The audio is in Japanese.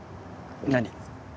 何？